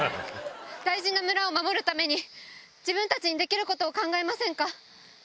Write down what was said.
大事な村を守るために自分たちにできることを考えませんか。